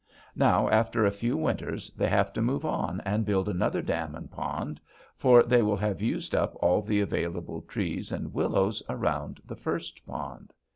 "Now, after a few winters, they have to move on and build another dam and pond, for they will have used up all the available trees and willows around the first pond.